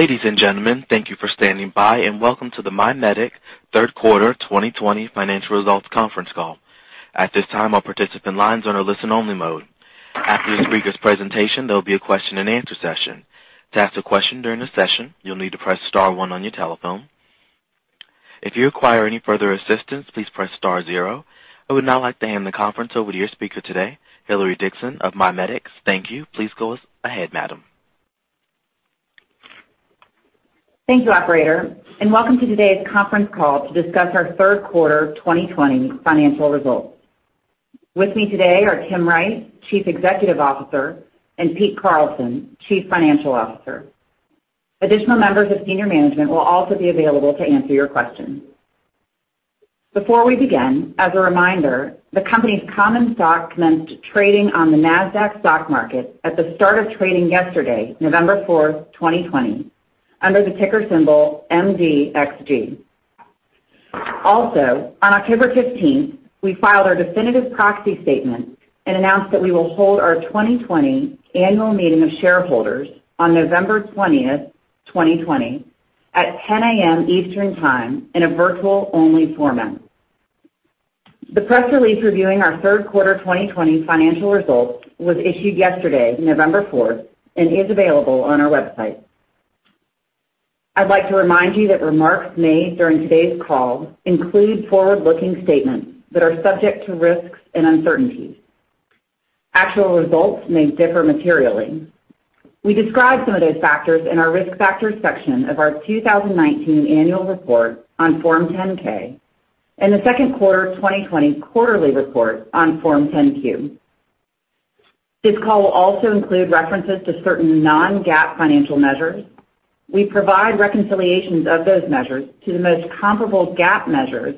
ladies and gentlemen, thank you for standing by and welcome to the MIMEDX third quarter 2020 financial results conference call. at this time, all participants on a listen-only mode. after the speaker's presentation, there'll be a question and answer session. to ask a question during the session, you'll need to press star one on your telephone. if you require any further assistance, please press star zero. i would now like to hand the conference over to your speaker today, Hilary Dixon of MIMEDX. Thank you. Please go ahead, madam. Thank you, operator, and welcome to today's conference call to discuss our third quarter 2020 financial results. With me today are Tim Wright, Chief Executive Officer, and Pete Carlson, Chief Financial Officer. Additional members of senior management will also be available to answer your questions. Before we begin, as a reminder, the company's common stock commenced trading on the NASDAQ stock market at the start of trading yesterday, November fourth, 2020, under the ticker symbol MDXG. Also, on October 15th, we filed our definitive proxy statement and announced that we will hold our 2020 annual meeting of shareholders on November 20th, 2020, at 10:00 A.M. Eastern Time in a virtual-only format. The press release reviewing our third quarter 2020 financial results was issued yesterday, November fourth, and is available on our website. I'd like to remind you that remarks made during today's call include forward-looking statements that are subject to risks and uncertainties. Actual results may differ materially. We describe some of those factors in our Risk Factors section of our 2019 annual report on Form 10-K and the second quarter of 2020 quarterly report on Form 10-Q. This call will also include references to certain non-GAAP financial measures. We provide reconciliations of those measures to the most comparable GAAP measures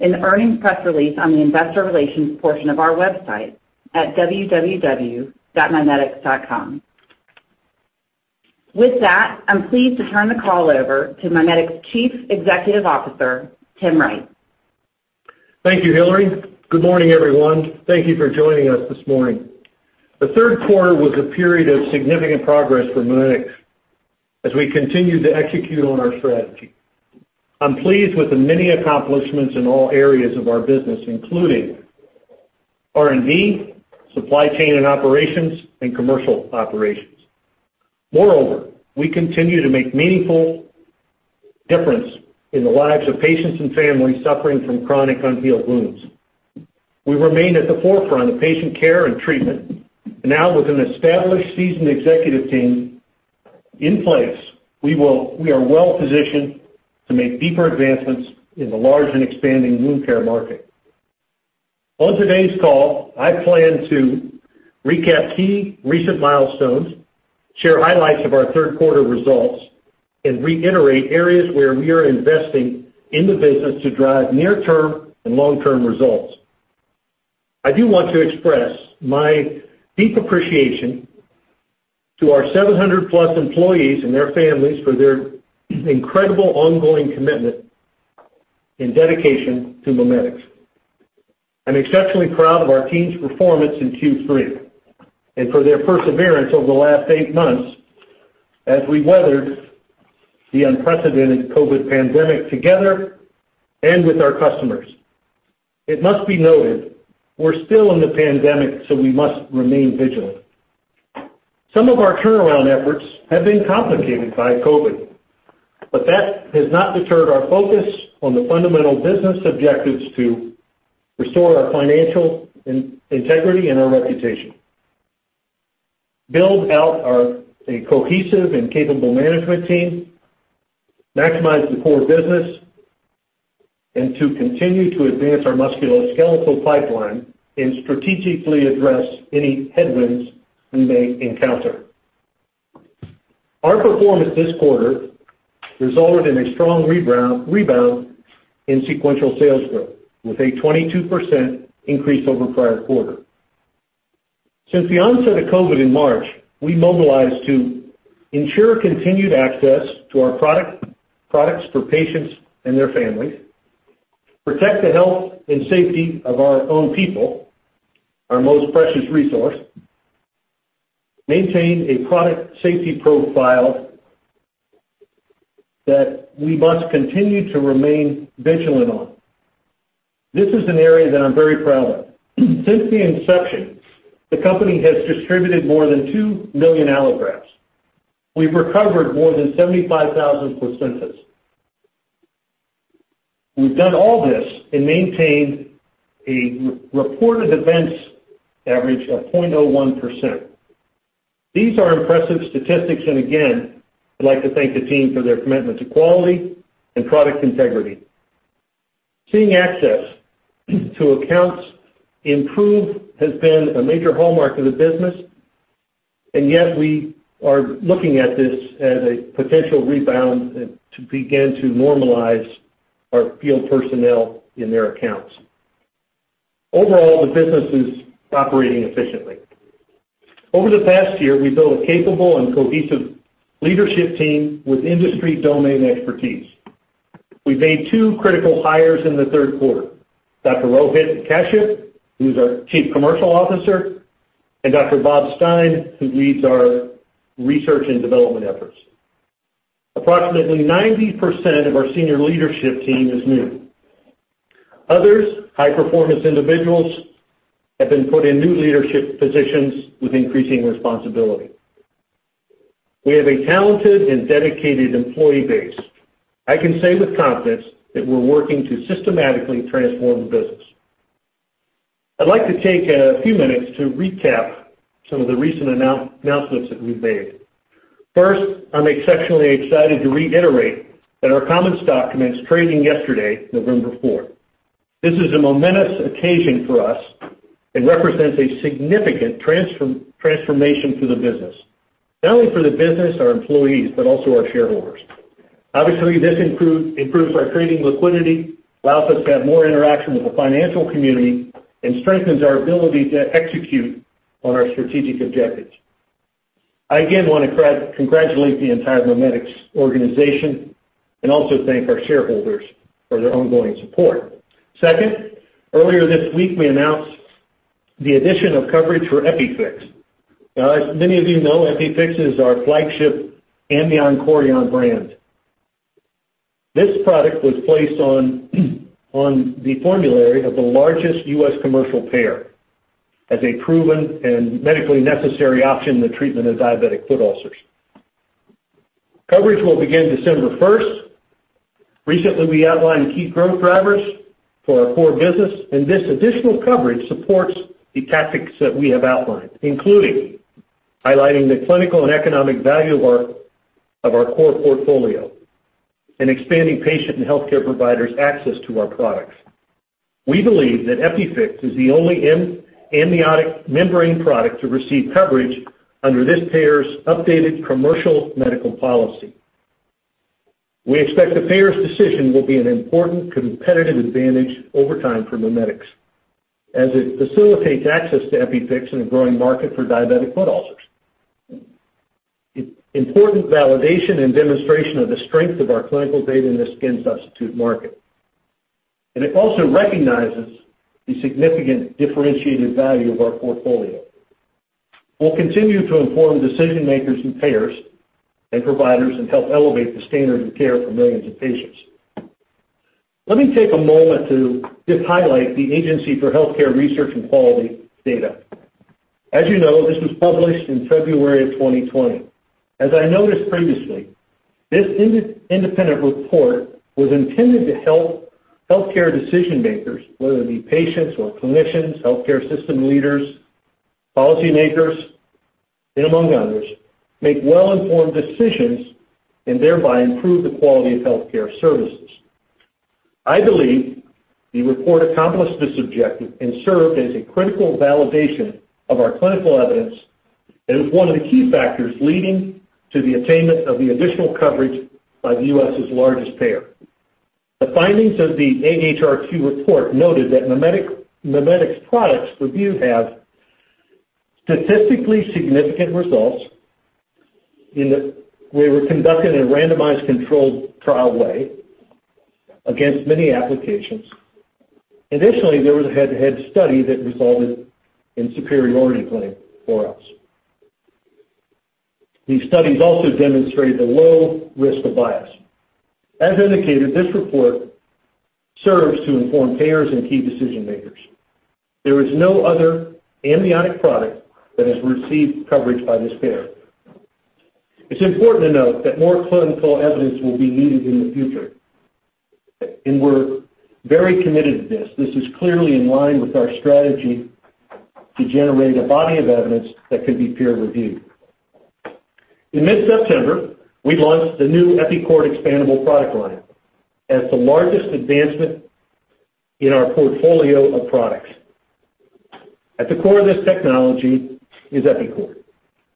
in the earnings press release on the investor relations portion of our website at www.MIMEDX.com. With that, I'm pleased to turn the call over to MIMEDX Chief Executive Officer, Tim Wright. Thank you, Hilary. Good morning, everyone. Thank you for joining us this morning. The third quarter was a period of significant progress for MIMEDX as we continued to execute on our strategy. I'm pleased with the many accomplishments in all areas of our business, including R&D, supply chain and operations, and commercial operations. Moreover, we continue to make meaningful difference in the lives of patients and families suffering from chronic unhealed wounds. We remain at the forefront of patient care and treatment. Now with an established, seasoned executive team in place, we are well-positioned to make deeper advancements in the large and expanding wound care market. On today's call, I plan to recap key recent milestones, share highlights of our third quarter results, and reiterate areas where we are investing in the business to drive near-term and long-term results. I do want to express my deep appreciation to our 700+ employees and their families for their incredible ongoing commitment and dedication to MIMEDX. I'm exceptionally proud of our team's performance in Q3 and for their perseverance over the last eight months as we weathered the unprecedented COVID pandemic together and with our customers. It must be noted, we're still in the pandemic, so we must remain vigilant. Some of our turnaround efforts have been complicated by COVID, but that has not deterred our focus on the fundamental business objectives to restore our financial integrity and our reputation, build out a cohesive and capable management team, maximize the core business, and to continue to advance our musculoskeletal pipeline and strategically address any headwinds we may encounter. Our performance this quarter resulted in a strong rebound in sequential sales growth with a 22% increase over the prior quarter. Since the onset of COVID in March, we mobilized to ensure continued access to our products for patients and their families, protect the health and safety of our own people, our most precious resource, maintain a product safety profile that we must continue to remain vigilant on. This is an area that I'm very proud of. Since the inception, the company has distributed more than 2 million allografts. We've recovered more than 75,000 placentas. We've done all this and maintained a reported events average of 0.01%. These are impressive statistics and again, I'd like to thank the team for their commitment to quality and product integrity. Seeing access to accounts improve has been a major hallmark of the business, and yet we are looking at this as a potential rebound to begin to normalize our field personnel in their accounts. Overall, the business is operating efficiently. Over the past year, we built a capable and cohesive leadership team with industry domain expertise. We made two critical hires in the third quarter. Dr. Rohit Kashyap, who's our chief commercial officer, and Dr. Bob Stein, who leads our research and development efforts. Approximately 90% of our senior leadership team is new. Others, high performance individuals, have been put in new leadership positions with increasing responsibility. We have a talented and dedicated employee base. I can say with confidence that we're working to systematically transform the business. I'd like to take a few minutes to recap some of the recent announcements that we've made. First, I'm exceptionally excited to reiterate that our common stock commenced trading yesterday, November 4th. This is a momentous occasion for us and represents a significant transformation for the business, not only for the business, our employees, but also our shareholders. Obviously, this improves our trading liquidity, allows us to have more interaction with the financial community, and strengthens our ability to execute on our strategic objectives. I again want to congratulate the entire MIMEDX organization, and also thank our shareholders for their ongoing support. Second, earlier this week, we announced the addition of coverage for EPIFIX. Now, as many of you know, EPIFIX is our flagship amnion/chorion brand. This product was placed on the formulary of the largest U.S. commercial payer as a proven and medically necessary option in the treatment of diabetic foot ulcers. Coverage will begin December 1st. Recently, we outlined key growth drivers for our core business, and this additional coverage supports the tactics that we have outlined, including highlighting the clinical and economic value of our core portfolio and expanding patient and healthcare providers' access to our products. We believe that EPIFIX is the only amniotic membrane product to receive coverage under this payer's updated commercial medical policy. We expect the payer's decision will be an important competitive advantage over time for MIMEDX, as it facilitates access to EPIFIX in a growing market for diabetic foot ulcers. It's important validation and demonstration of the strength of our clinical data in the skin substitute market. It also recognizes the significant differentiated value of our portfolio. We'll continue to inform decision makers and payers and providers and help elevate the standard of care for millions of patients. Let me take a moment to just highlight the Agency for Healthcare Research and Quality data. As you know, this was published in February of 2020. As I noticed previously, this independent report was intended to help healthcare decision makers, whether it be patients or clinicians, healthcare system leaders, policy makers, and among others, make well-informed decisions and thereby improve the quality of healthcare services. I believe the report accomplished this objective and served as a critical validation of our clinical evidence and was one of the key factors leading to the attainment of the additional coverage by the U.S.'s largest payer. The findings of the AHRQ report noted that MIMEDX products review have statistically significant results in that they were conducted in a randomized controlled trial way against many applications. Additionally, there was a head-to-head study that resulted in superiority claim for us. These studies also demonstrated a low risk of bias. As indicated, this report serves to inform payers and key decision makers. There is no other amniotic product that has received coverage by this payer. It's important to note that more clinical evidence will be needed in the future. We're very committed to this. This is clearly in line with our strategy to generate a body of evidence that could be peer-reviewed. In mid-September, we launched the new EPICORD Expandable product line as the largest advancement in our portfolio of products. At the core of this technology is EPICORD,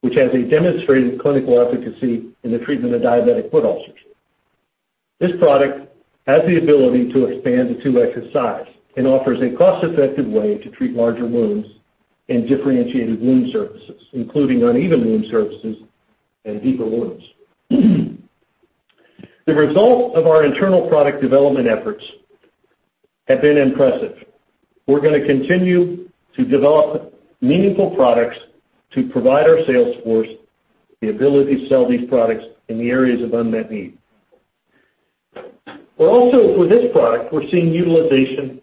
which has a demonstrated clinical efficacy in the treatment of diabetic foot ulcers. This product has the ability to expand to 2x the size and offers a cost-effective way to treat larger wounds and differentiated wound surfaces, including uneven wound surfaces and deeper wounds. The result of our internal product development efforts have been impressive. We're going to continue to develop meaningful products to provide our sales force the ability to sell these products in the areas of unmet need. Also for this product, we're seeing utilization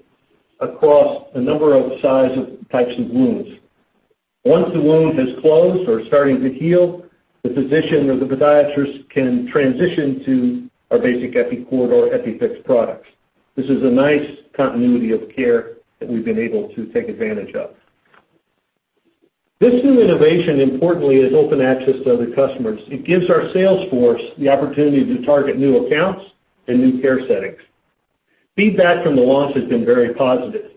across a number of size of types of wounds. Once a wound has closed or starting to heal, the physician or the podiatrist can transition to our basic EPICORD or EPIFIX products. This is a nice continuity of care that we've been able to take advantage of. This new innovation, importantly, is open access to other customers. It gives our sales force the opportunity to target new accounts and new care settings. Feedback from the launch has been very positive.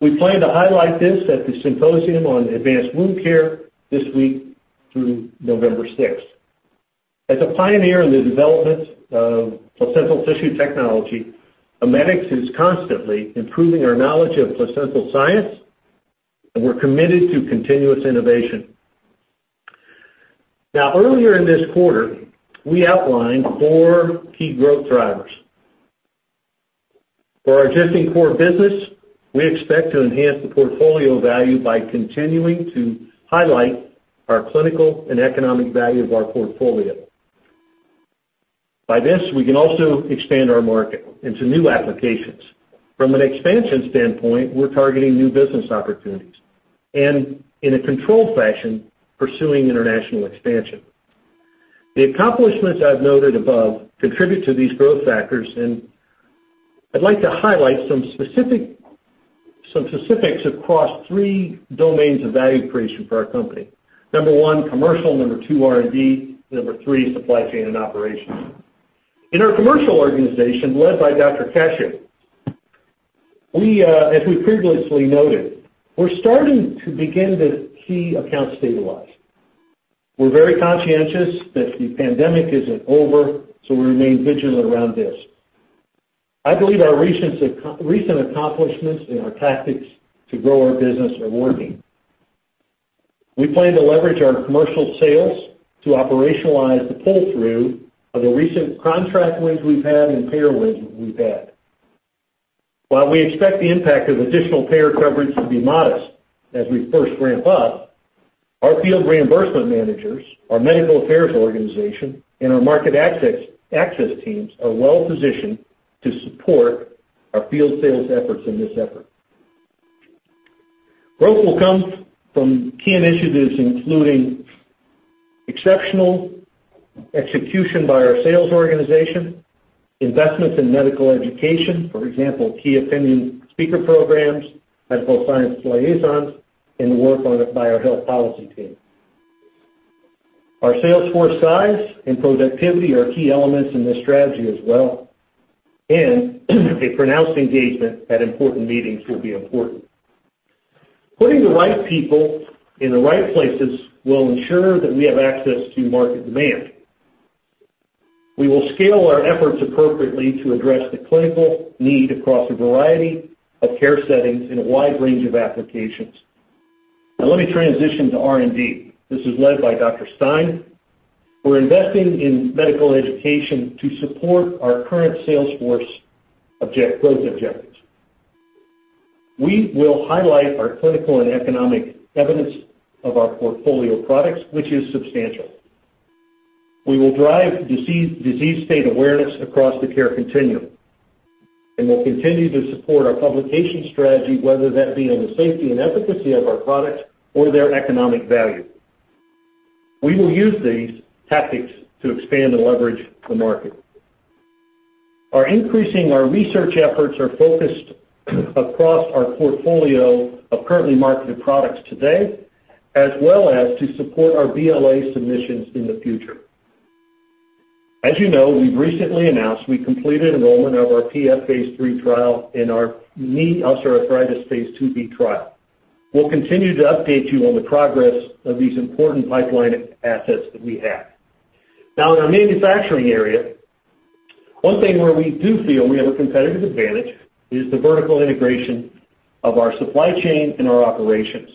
We plan to highlight this at the Symposium on Advanced Wound Care this week through November 6th. As a pioneer in the development of placental tissue technology, MIMEDX is constantly improving our knowledge of placental science, and we're committed to continuous innovation. Now, earlier in this quarter, we outlined four key growth drivers. For our existing core business, we expect to enhance the portfolio value by continuing to highlight our clinical and economic value of our portfolio. By this, we can also expand our market into new applications. From an expansion standpoint, we're targeting new business opportunities, and in a controlled fashion, pursuing international expansion. The accomplishments I've noted above contribute to these growth factors, and I'd like to highlight some specifics across three domains of value creation for our company. Number one, commercial. Number two, R&D. Number three, supply chain and operations. In our commercial organization, led by Dr. Kashyap, as we previously noted, we're starting to begin to see accounts stabilize. We're very conscientious that the pandemic isn't over. We remain vigilant around this. I believe our recent accomplishments and our tactics to grow our business are working. We plan to leverage our commercial sales to operationalize the pull-through of the recent contract wins we've had and payer wins we've had. While we expect the impact of additional payer coverage to be modest as we first ramp up, our field reimbursement managers, our medical affairs organization, and our market access teams are well-positioned to support our field sales efforts in this effort. Growth will come from key initiatives, including exceptional execution by our sales organization, investments in medical education, for example, key opinion speaker programs, medical science liaisons, and the work by our health policy team. Our sales force size and productivity are key elements in this strategy as well, and a pronounced engagement at important meetings will be important. Putting the right people in the right places will ensure that we have access to market demand. We will scale our efforts appropriately to address the clinical need across a variety of care settings in a wide range of applications. Let me transition to R&D. This is led by Dr. Stein. We're investing in medical education to support our current sales force growth objectives. We will highlight our clinical and economic evidence of our portfolio products, which is substantial. We will drive disease state awareness across the care continuum, and we'll continue to support our publication strategy, whether that be on the safety and efficacy of our products or their economic value. We will use these tactics to expand and leverage the market. Our increasing research efforts are focused across our portfolio of currently marketed products today, as well as to support our BLA submissions in the future. As you know, we've recently announced we completed enrollment of our plantar fasciitis phase III trial and our knee OA phase IIb trial. We'll continue to update you on the progress of these important pipeline assets that we have. Now, in our manufacturing area, one thing where we do feel we have a competitive advantage is the vertical integration of our supply chain and our operations.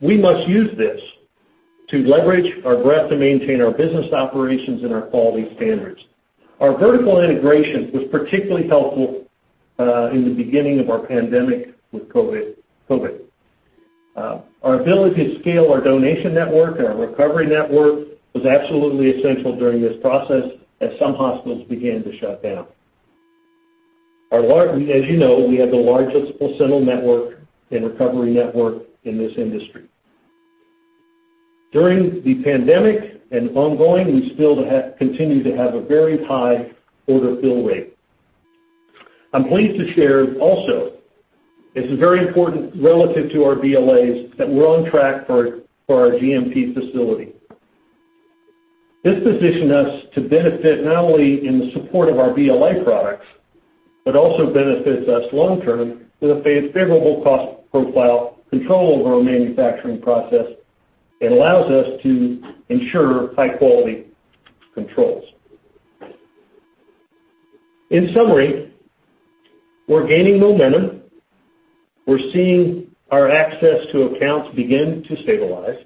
We must use this to leverage our breadth to maintain our business operations and our quality standards. Our vertical integration was particularly helpful in the beginning of our pandemic with COVID. Our ability to scale our donation network and our recovery network was absolutely essential during this process, as some hospitals began to shut down. As you know, we have the largest placental network and recovery network in this industry. During the pandemic and ongoing, we still continue to have a very high order fill rate. I'm pleased to share also, this is very important relative to our BLAs, that we're on track for our GMP facility. This positions us to benefit not only in the support of our BLA products, but also benefits us long term with a favorable cost profile, control over our manufacturing process, and allows us to ensure high-quality controls. In summary, we're gaining momentum. We're seeing our access to accounts begin to stabilize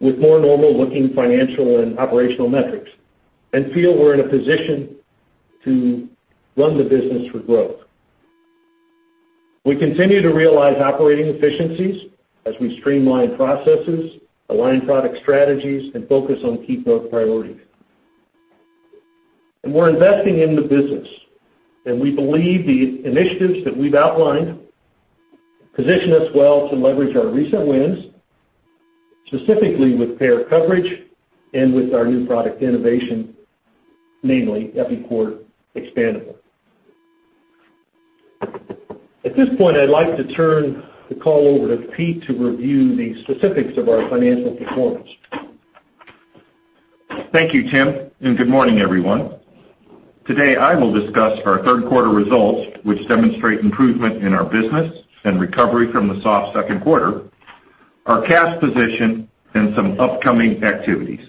with more normal-looking financial and operational metrics and feel we're in a position to run the business for growth. We continue to realize operating efficiencies as we streamline processes, align product strategies, and focus on key growth priorities. We're investing in the business, and we believe the initiatives that we've outlined position us well to leverage our recent wins, specifically with payer coverage and with our new product innovation, namely EPICORD Expandable. At this point, I'd like to turn the call over to Pete to review the specifics of our financial performance. Thank you, Tim, and good morning, everyone. Today, I will discuss our third quarter results, which demonstrate improvement in our business and recovery from the soft second quarter, our cash position, and some upcoming activities.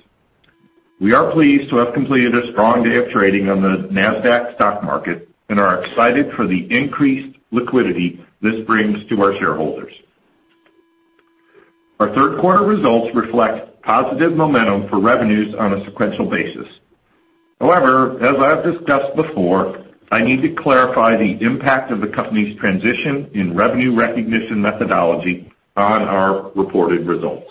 We are pleased to have completed a strong day of trading on the NASDAQ stock market and are excited for the increased liquidity this brings to our shareholders. Our third quarter results reflect positive momentum for revenues on a sequential basis. However, as I've discussed before, I need to clarify the impact of the company's transition in revenue recognition methodology on our reported results.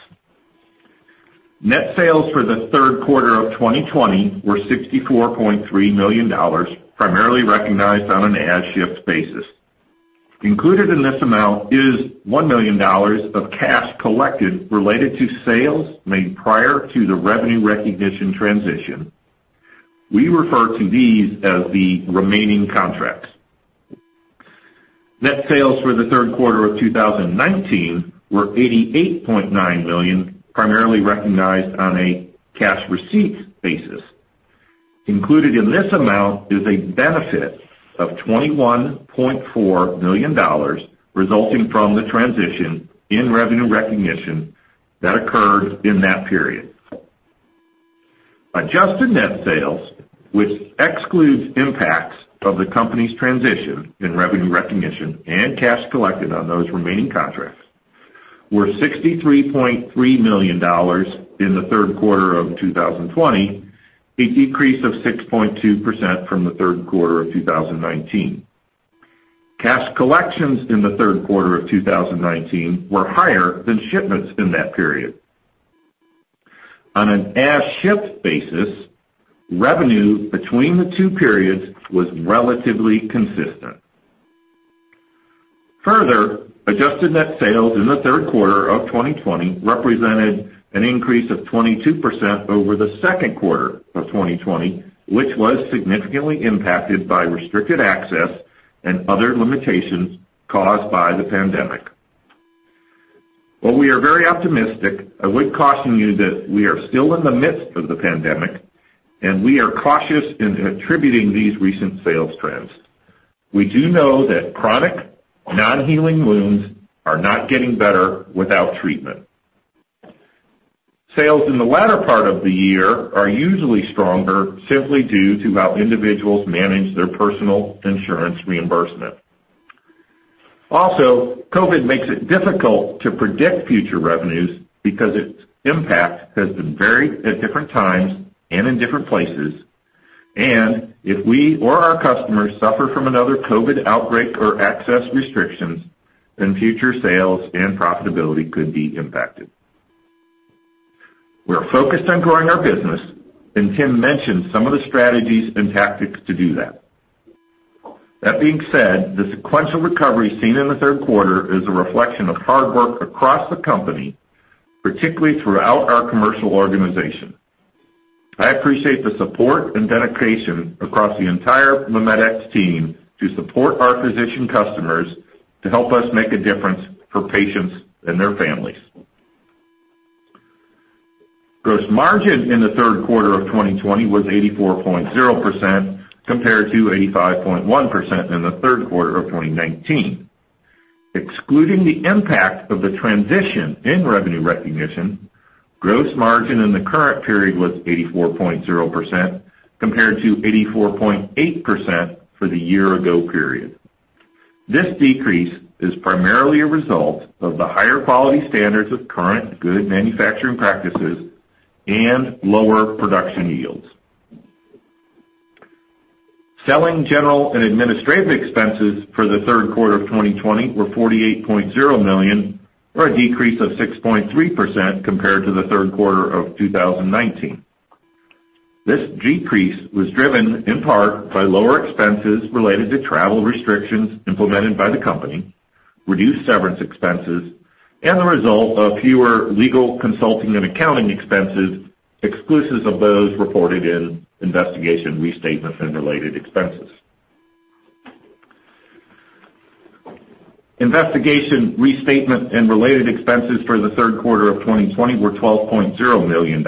Net sales for the third quarter of 2020 were $64.3 million, primarily recognized on an as-shipped basis. Included in this amount is $1 million of cash collected related to sales made prior to the revenue recognition transition. We refer to these as the remaining contracts. Net sales for the third quarter of 2019 were $88.9 million, primarily recognized on a cash receipts basis. Included in this amount is a benefit of $21.4 million, resulting from the transition in revenue recognition that occurred in that period. Adjusted net sales, which excludes impacts of the company's transition in revenue recognition and cash collected on those remaining contracts, were $63.3 million in the third quarter of 2020, a decrease of 6.2% from the third quarter of 2019. Cash collections in the third quarter of 2019 were higher than shipments in that period. On an as-shipped basis, revenue between the two periods was relatively consistent. Adjusted net sales in the third quarter of 2020 represented an increase of 22% over the second quarter of 2020, which was significantly impacted by restricted access and other limitations caused by the pandemic. While we are very optimistic, I would caution you that we are still in the midst of the pandemic, and we are cautious in attributing these recent sales trends. We do know that chronic non-healing wounds are not getting better without treatment. Sales in the latter part of the year are usually stronger simply due to how individuals manage their personal insurance reimbursement. Also, COVID makes it difficult to predict future revenues because its impact has been varied at different times and in different places. If we or our customers suffer from another COVID outbreak or access restrictions, then future sales and profitability could be impacted. We are focused on growing our business, and Tim mentioned some of the strategies and tactics to do that. That being said, the sequential recovery seen in the third quarter is a reflection of hard work across the company, particularly throughout our commercial organization. I appreciate the support and dedication across the entire MIMEDX team to support our physician customers to help us make a difference for patients and their families. Gross margin in the third quarter of 2020 was 84.0%, compared to 85.1% in the third quarter of 2019. Excluding the impact of the transition in revenue recognition, gross margin in the current period was 84.0%, compared to 84.8% for the year ago period. This decrease is primarily a result of the higher quality standards of Current Good Manufacturing Practices and lower production yields. Selling, general, and administrative expenses for the third quarter of 2020 were $48.0 million, or a decrease of 6.3% compared to the third quarter of 2019. This decrease was driven in part by lower expenses related to travel restrictions implemented by the company, reduced severance expenses, and the result of fewer legal consulting and accounting expenses, exclusive of those reported in investigation restatements and related expenses. Investigation restatement and related expenses for the third quarter of 2020 were $12.0 million,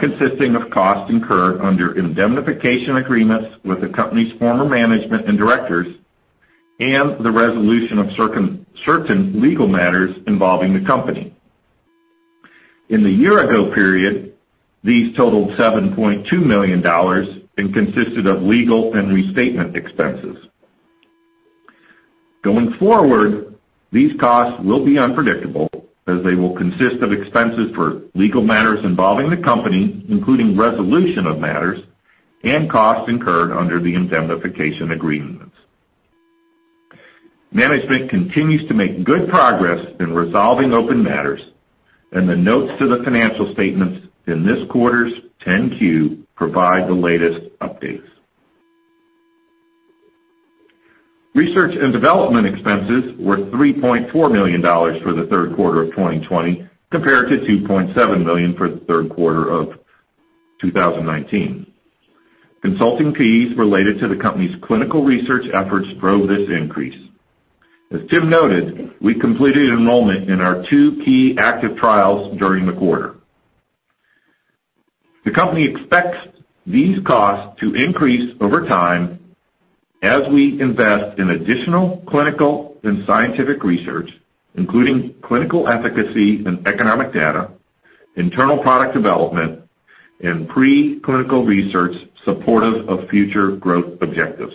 consisting of costs incurred under indemnification agreements with the company's former management and directors and the resolution of certain legal matters involving the company. In the year ago period, these totaled $7.2 million and consisted of legal and restatement expenses. Going forward, these costs will be unpredictable as they will consist of expenses for legal matters involving the company, including resolution of matters and costs incurred under the indemnification agreements. Management continues to make good progress in resolving open matters, and the notes to the financial statements in this quarter's 10-Q provide the latest updates. Research and development expenses were $3.4 million for the third quarter of 2020, compared to $2.7 million for the third quarter of 2019. Consulting fees related to the company's clinical research efforts drove this increase. As Tim noted, we completed enrollment in our two key active trials during the quarter. The company expects these costs to increase over time as we invest in additional clinical and scientific research, including clinical efficacy and economic data, internal product development, and pre-clinical research supportive of future growth objectives.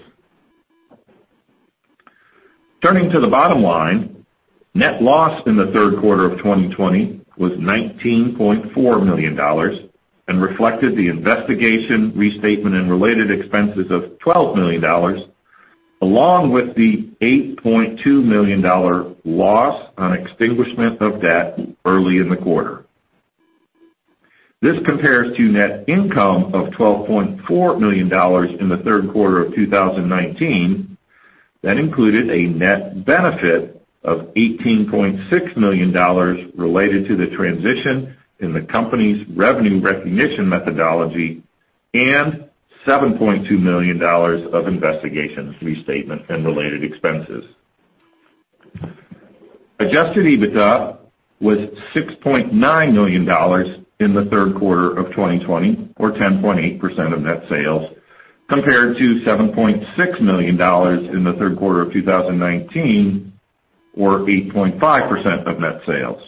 Turning to the bottom line, net loss in the third quarter of 2020 was $19.4 million and reflected the investigation, restatement, and related expenses of $12 million, along with the $8.2 million loss on extinguishment of debt early in the quarter. This compares to net income of $12.4 million in the third quarter of 2019, that included a net benefit of $18.6 million related to the transition in the company's revenue recognition methodology and $7.2 million of investigation, restatement, and related expenses. Adjusted EBITDA was $6.9 million in the third quarter of 2020 or 10.8% of net sales, compared to $7.6 million in the third quarter of 2019 or 8.5% of net sales.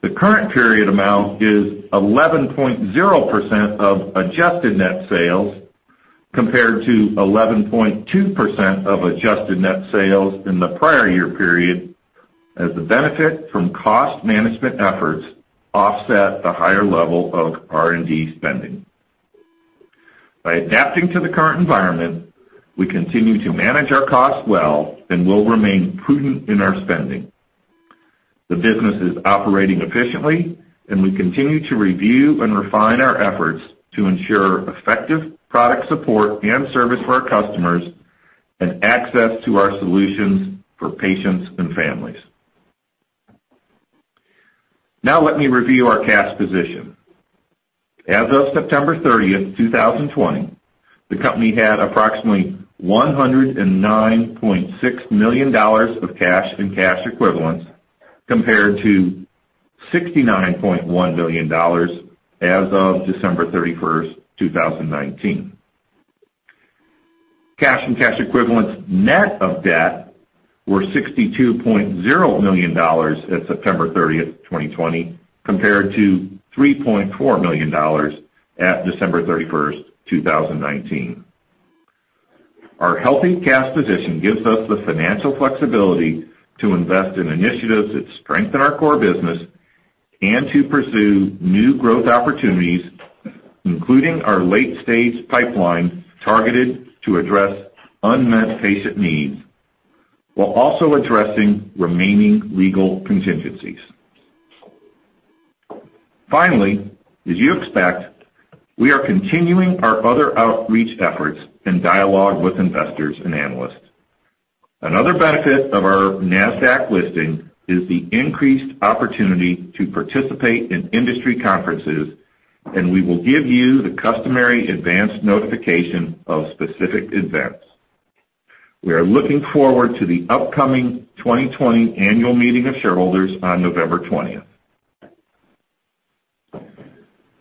The current period amount is 11.0% of adjusted net sales, compared to 11.2% of adjusted net sales in the prior year period, as the benefit from cost management efforts offset the higher level of R&D spending. By adapting to the current environment, we continue to manage our costs well and will remain prudent in our spending. The business is operating efficiently, and we continue to review and refine our efforts to ensure effective product support and service for our customers and access to our solutions for patients and families. Let me review our cash position. As of September 30th, 2020, the company had approximately $109.6 million of cash and cash equivalents, compared to $69.1 million as of December 31st, 2019. Cash and cash equivalents net of debt were $62.0 million at September 30th, 2020, compared to $3.4 million at December 31st, 2019. Our healthy cash position gives us the financial flexibility to invest in initiatives that strengthen our core business and to pursue new growth opportunities, including our late-stage pipeline targeted to address unmet patient needs, while also addressing remaining legal contingencies. As you expect, we are continuing our other outreach efforts and dialogue with investors and analysts. Another benefit of our NASDAQ listing is the increased opportunity to participate in industry conferences, and we will give you the customary advance notification of specific events. We are looking forward to the upcoming 2020 annual meeting of shareholders on November 20th.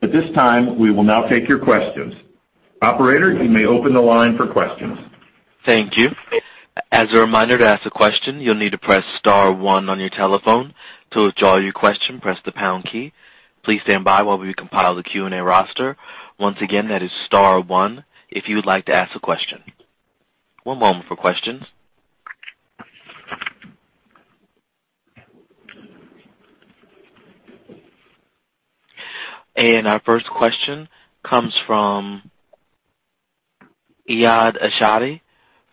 At this time, we will now take your questions. Operator, you may open the line for questions. Thank you. As a reminder, to ask a question, you'll need to press star one on your telephone. To withdraw your question, press the pound key. Please stand by while we compile the Q&A roster. Once again, that is star one if you would like to ask a question. One moment for questions. Our first question comes from Eiad Asbahi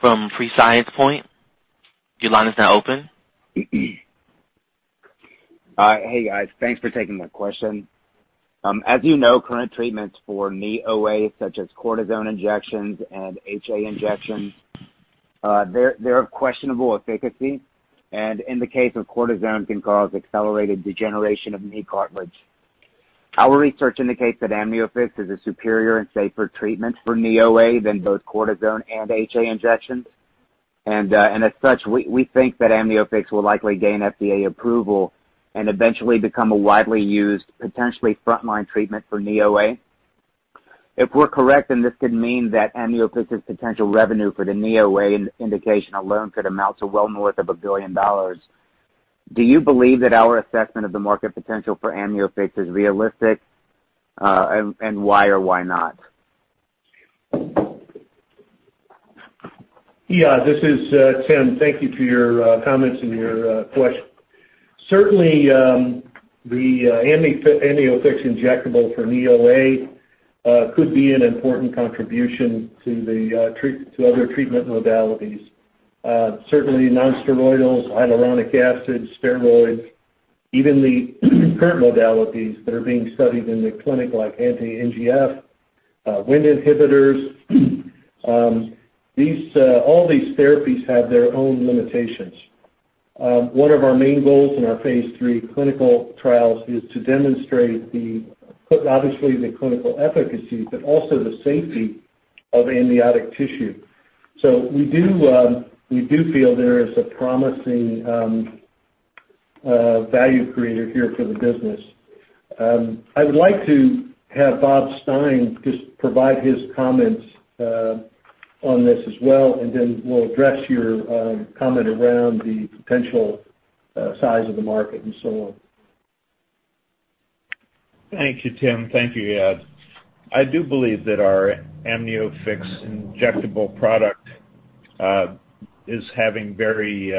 from Prescience Point. Your line is now open. Hi. Hey, guys. Thanks for taking my question. As you know, current treatments for knee OA, such as cortisone injections and HA injections, they're of questionable efficacy, and in the case of cortisone, can cause accelerated degeneration of knee cartilage. Our research indicates that AMNIOFIX is a superior and safer treatment for knee OA than both cortisone and HA injections. As such, we think that AMNIOFIX will likely gain FDA approval and eventually become a widely used, potentially frontline treatment for knee OA. If we're correct, then this could mean that AMNIOFIX's potential revenue for the knee OA indication alone could amount to well north of $1 billion. Do you believe that our assessment of the market potential for AMNIOFIX is realistic, and why or why not? Yeah. This is Tim. Thank you for your comments and your question. Certainly, the AMNIOFIX injectable for knee OA could be an important contribution to other treatment modalities. Certainly nonsteroidals, hyaluronic acid, steroids, even the current modalities that are being studied in the clinic like anti-NGF, Wnt inhibitors, all these therapies have their own limitations. One of our main goals in our phase III clinical trials is to demonstrate obviously the clinical efficacy, but also the safety of amniotic tissue. We do feel there is a promising A value creator here for the business. I would like to have Bob Stein just provide his comments on this as well. We'll address your comment around the potential size of the market and so on. Thank you, Tim. Thank you, Elad. I do believe that our AMNIOFIX injectable product is having very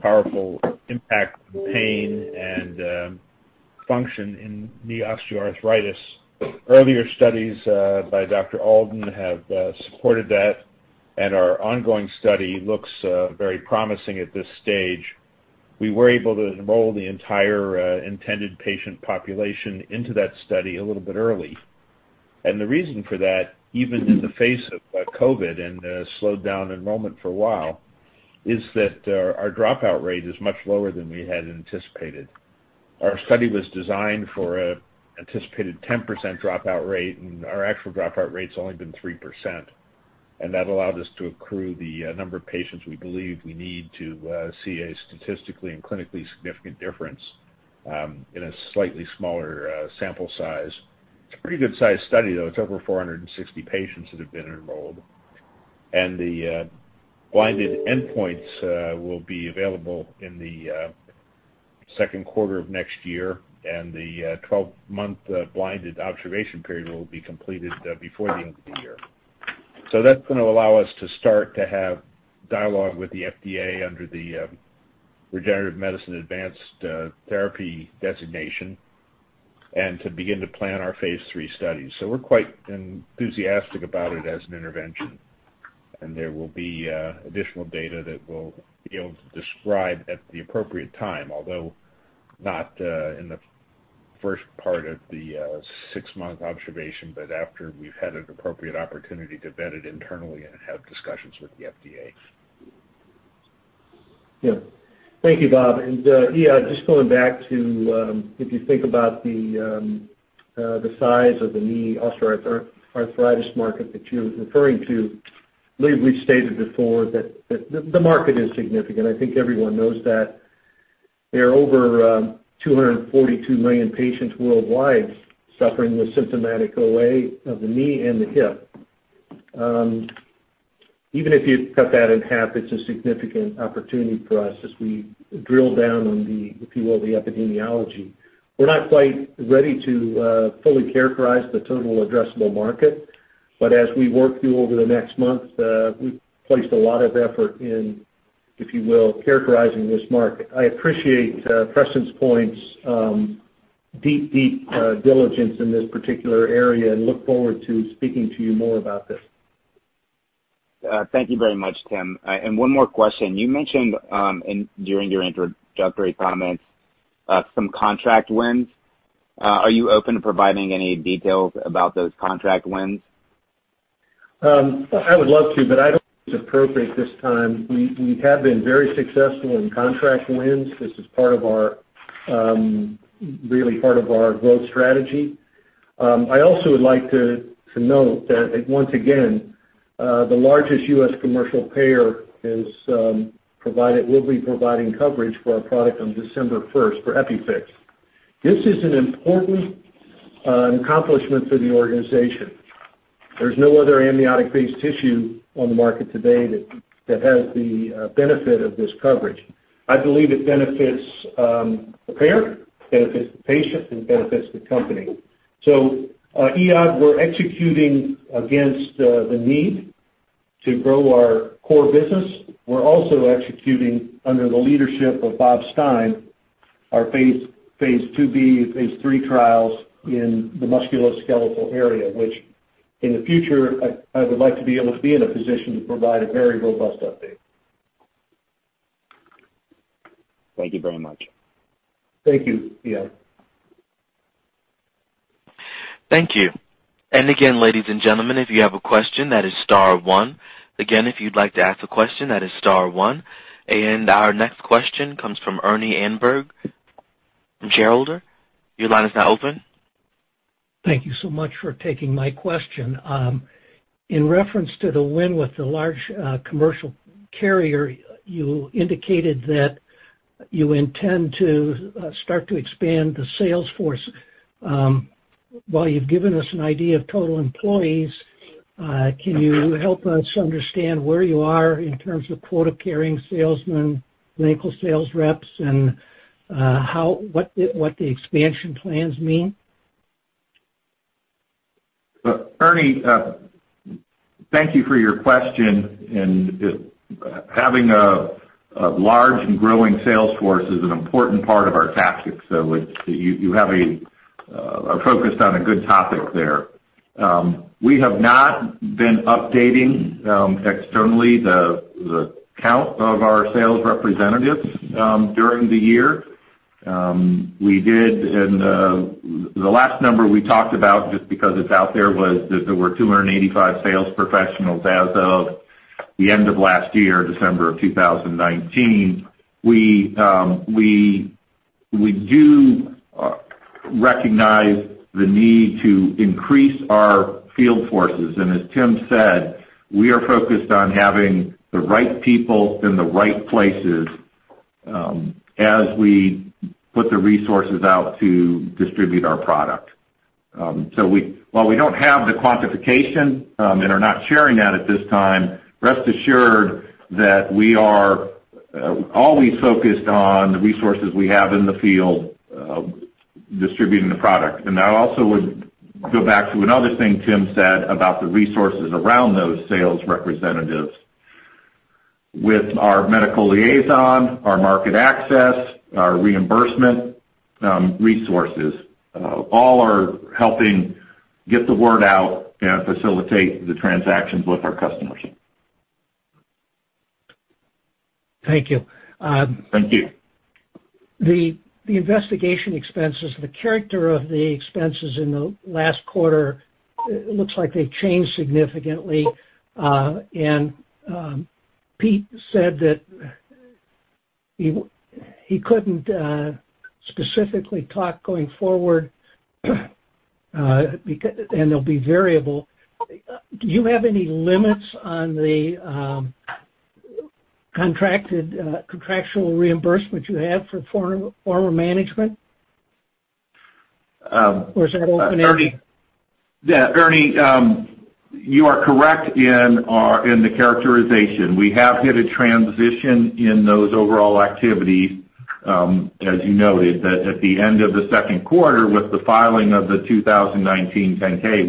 powerful impact on pain and function in knee osteoarthritis. Earlier studies by Dr. Alden have supported that, and our ongoing study looks very promising at this stage. We were able to enroll the entire intended patient population into that study a little bit early. The reason for that, even in the face of COVID and a slowed down enrollment for a while, is that our dropout rate is much lower than we had anticipated. Our study was designed for anticipated 10% dropout rate, and our actual dropout rate's only been 3%. That allowed us to accrue the number of patients we believe we need to see a statistically and clinically significant difference in a slightly smaller sample size. It's a pretty good size study, though. It's over 460 patients that have been enrolled. The blinded endpoints will be available in the second quarter of next year, and the 12-month blinded observation period will be completed before the end of the year. That's going to allow us to start to have dialogue with the FDA under the Regenerative Medicine Advanced Therapy designation and to begin to plan our phase III study. We're quite enthusiastic about it as an intervention. There will be additional data that we'll be able to describe at the appropriate time, although not in the first part of the six-month observation, but after we've had an appropriate opportunity to vet it internally and have discussions with the FDA. Yeah. Thank you, Bob. Yeah, just going back to if you think about the size of the knee osteoarthritis market that you're referring to, I believe we've stated before that the market is significant. I think everyone knows that. There are over 242 million patients worldwide suffering with symptomatic OA of the knee and the hip. Even if you cut that in half, it's a significant opportunity for us as we drill down on the, if you will, the epidemiology. We're not quite ready to fully characterize the total addressable market, but as we work through over the next month, we've placed a lot of effort in, if you will, characterizing this market. I appreciate Prescience Point's deep diligence in this particular area and look forward to speaking to you more about this. Thank you very much, Tim. One more question. You mentioned during your introductory comments some contract wins. Are you open to providing any details about those contract wins? I would love to, but I don't think it's appropriate this time. We have been very successful in contract wins. This is part of our growth strategy. I also would like to note that once again the largest U.S. commercial payer will be providing coverage for our product on December 1st for EPIFIX. This is an important accomplishment for the organization. There's no other amniotic-based tissue on the market today that has the benefit of this coverage. I believe it benefits the payer, benefits the patient, and benefits the company. Elad, we're executing against the need to grow our core business. We're also executing under the leadership of Bob Stein, our phase IIb and phase III trials in the musculoskeletal area, which in the future, I would like to be able to be in a position to provide a very robust update. Thank you very much. Thank you, Elad. Thank you. Again, ladies and gentlemen, if you have a question, that is star one. Again, if you'd like to ask a question, that is star one. Our next question comes from Ernie Anberg a shareholder. Your line is now open. Thank you so much for taking my question. In reference to the win with the large commercial carrier, you indicated that you intend to start to expand the sales force. While you've given us an idea of total employees, can you help us understand where you are in terms of quota-carrying salesmen, clinical sales reps, and what the expansion plans mean? Ernie, thank you for your question. Having a large and growing sales force is an important part of our tactic. You have focused on a good topic there. We have not been updating externally the count of our sales representatives during the year. The last number we talked about, just because it's out there, was that there were 285 sales professionals as of the end of last year, December of 2019. We do recognize the need to increase our field forces. As Tim said, we are focused on having the right people in the right places as we put the resources out to distribute our product. While we don't have the quantification and are not sharing that at this time, rest assured that we are always focused on the resources we have in the field distributing the product. That also would go back to another thing Tim said about the resources around those sales representatives. With our medical liaison, our market access, our reimbursement resources, all are helping get the word out and facilitate the transactions with our customers. Thank you. Thank you. The investigation expenses, the character of the expenses in the last quarter, it looks like they changed significantly. Pete said that he couldn't specifically talk going forward, and they'll be variable. Do you have any limits on the contractual reimbursement you have for former management? Is that open-ended? Yeah, Ernie, you are correct in the characterization. We have hit a transition in those overall activities. As you noted that at the end of the second quarter, with the filing of the 2019 10-K,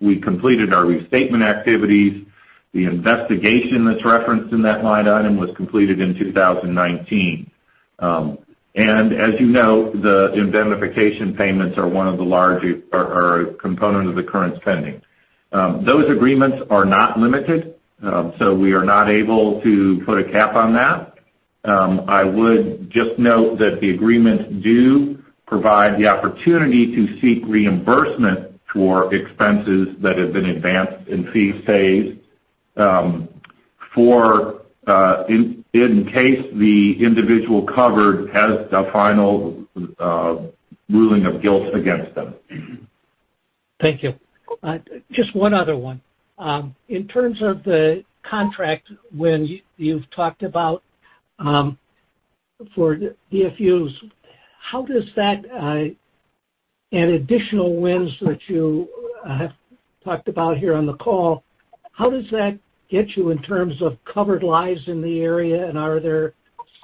we completed our restatement activities. The investigation that's referenced in that line item was completed in 2019. As you know, the indemnification payments are a component of the current spending. Those agreements are not limited, so we are not able to put a cap on that. I would just note that the agreements do provide the opportunity to seek reimbursement for expenses that have been advanced in fees paid in case the individual covered has a final ruling of guilt against them. Thank you. Just one other one. In terms of the contract, when you've talked about for DFUs and additional wins that you have talked about here on the call, how does that get you in terms of covered lives in the area, and are there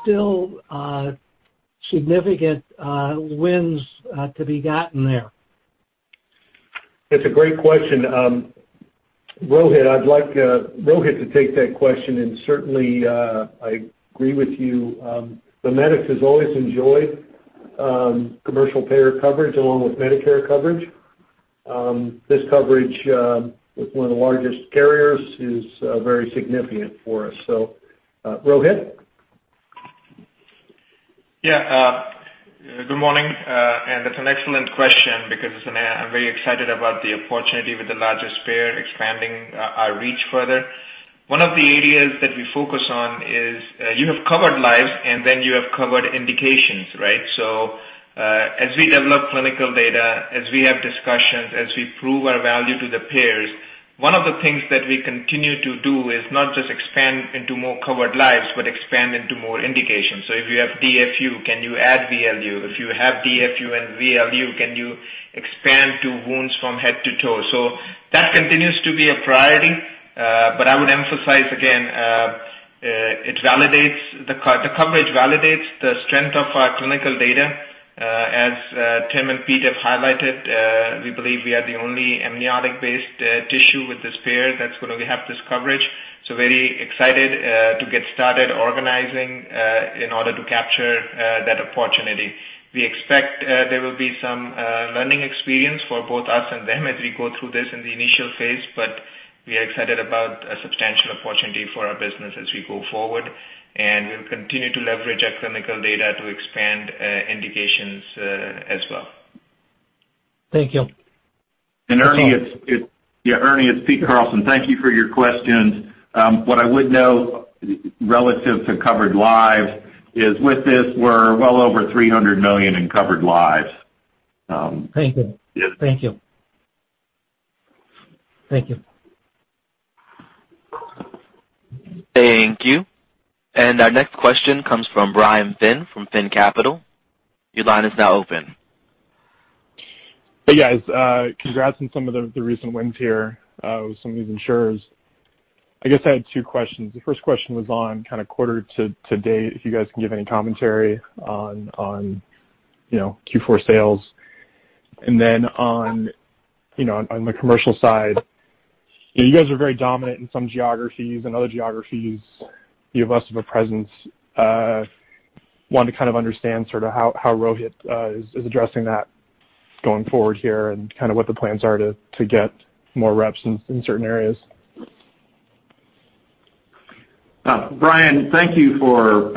still significant wins to be gotten there? It's a great question. Rohit, I'd like Rohit to take that question. Certainly, I agree with you. The MIMEDX have always enjoyed commercial payer coverage along with Medicare coverage. This coverage with one of the largest carriers is very significant for us. Rohit. Yeah. Good morning. That's an excellent question because I'm very excited about the opportunity with the largest payer expanding our reach further. One of the areas that we focus on is you have covered lives, and then you have covered indications, right? As we develop clinical data, as we have discussions, as we prove our value to the payers, one of the things that we continue to do is not just expand into more covered lives, but expand into more indications. If you have DFU, can you add VLU? If you have DFU and VLU, can you expand to wounds from head to toe? That continues to be a priority. I would emphasize again, the coverage validates the strength of our clinical data. As Tim and Pete have highlighted, we believe we are the only amniotic-based tissue with this payer that's going to have this coverage. Very excited to get started organizing in order to capture that opportunity. We expect there will be some learning experience for both us and them as we go through this in the initial phase, but we are excited about a substantial opportunity for our business as we go forward, and we'll continue to leverage our clinical data to expand indications as well. Thank you. Ernie, it's Pete Carlson. Thank you for your questions. What I would note relative to covered lives is with this, we're well over 300 million in covered lives. Thank you. Yes. Thank you. Thank you. Thank you. Our next question comes from Brian Finn from Findell Capital. Your line is now open. Hey, guys. Congrats on some of the recent wins here with some of these insurers. I guess I had two questions. The first question was on quarter-to-date, if you guys can give any commentary on Q4 sales. On the commercial side, you guys are very dominant in some geographies. In other geographies, you have less of a presence. Wanted to understand how Rohit is addressing that going forward here and what the plans are to get more reps in certain areas. Brian, thank you for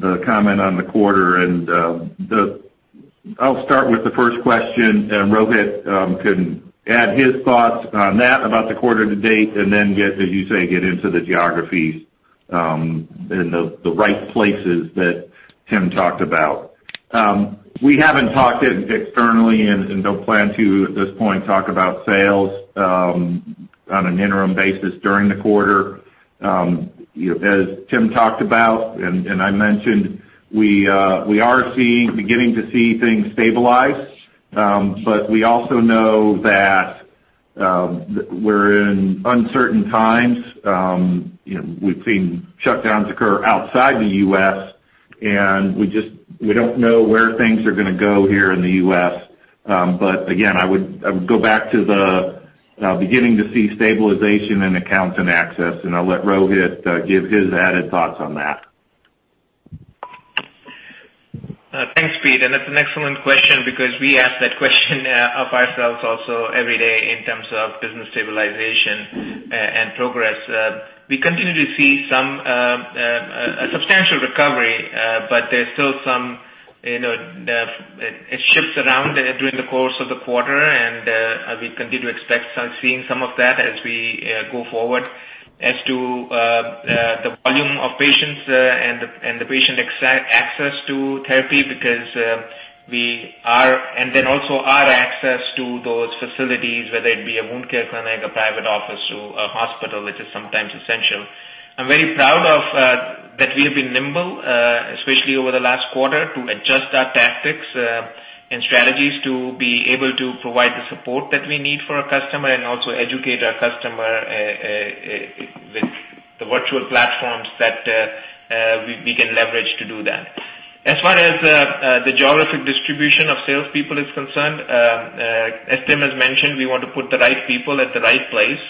the comment on the quarter and the- I'll start with the first question, and Rohit can add his thoughts on that about the quarter to date and then get, as you say, get into the geographies, and the right places that Tim talked about. We haven't talked externally and don't plan to, at this point, talk about sales on an interim basis during the quarter. As Tim talked about and I mentioned, we are beginning to see things stabilize. We also know that we're in uncertain times. We've seen shutdowns occur outside the U.S., and we don't know where things are going to go here in the U.S. Again, I would go back to the beginning to see stabilization in accounts and access, and I'll let Rohit give his added thoughts on that. Thanks, Pete. That's an excellent question because we ask that question of ourselves also every day in terms of business stabilization and progress. We continue to see a substantial recovery, there's still some it shifts around during the course of the quarter, we continue to expect seeing some of that as we go forward. As to the volume of patients and the patient access to therapy. Then also our access to those facilities, whether it be a wound care clinic, a private office or a hospital, which is sometimes essential. I'm very proud that we have been nimble, especially over the last quarter, to adjust our tactics and strategies to be able to provide the support that we need for our customer and also educate our customer with the virtual platforms that we can leverage to do that. As far as the geographic distribution of salespeople is concerned, as Tim has mentioned, we want to put the right people at the right place,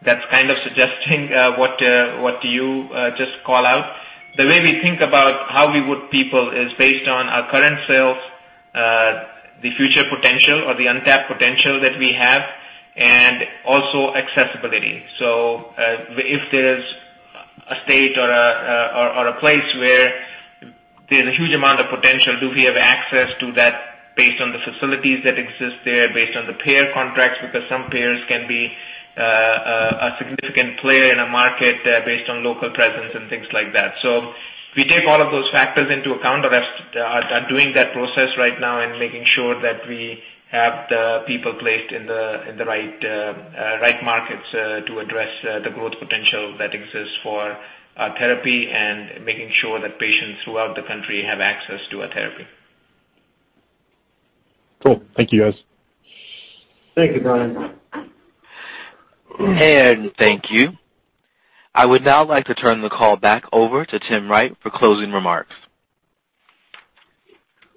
that's kind of suggesting what you just call out. The way we think about how we put people is based on our current sales, the future potential or the untapped potential that we have, and also accessibility. If there's a state or a place where there's a huge amount of potential, do we have access to that based on the facilities that exist there, based on the payer contracts? Some payers can be a significant player in a market based on local presence and things like that. We take all of those factors into account, and are doing that process right now and making sure that we have the people placed in the right markets to address the growth potential that exists for our therapy and making sure that patients throughout the country have access to our therapy. Cool. Thank you, guys. Thank you, Brian. Thank you. I would now like to turn the call back over to Tim Wright for closing remarks.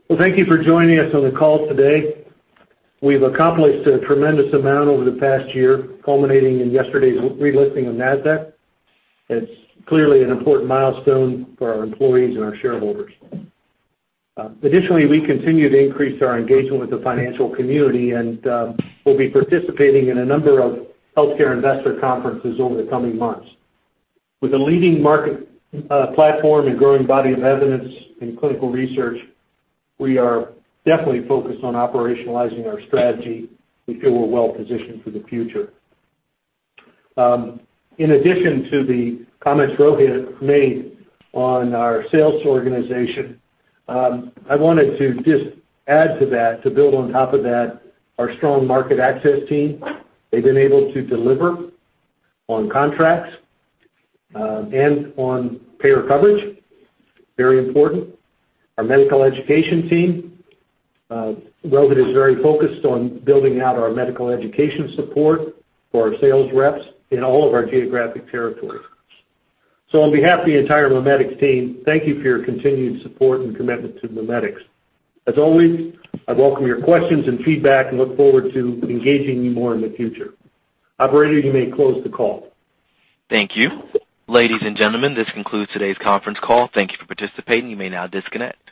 Well, thank you for joining us on the call today. We've accomplished a tremendous amount over the past year, culminating in yesterday's relisting on NASDAQ. It's clearly an important milestone for our employees and our shareholders. Additionally, we continue to increase our engagement with the financial community, and we'll be participating in a number of healthcare investor conferences over the coming months. With a leading market platform and growing body of evidence in clinical research, we are definitely focused on operationalizing our strategy. We feel we're well positioned for the future. In addition to the comments Rohit made on our sales organization, I wanted to just add to that, to build on top of that, our strong market access team. They've been able to deliver on contracts and on payer coverage. Very important. Our medical education team. Rohit is very focused on building out our medical education support for our sales reps in all of our geographic territories. On behalf of the entire MIMEDX team, thank you for your continued support and commitment to MIMEDX. As always, I welcome your questions and feedback and look forward to engaging you more in the future. Operator, you may close the call. Thank you. Ladies and gentlemen, this concludes today's conference call. Thank you for participating. You may now disconnect.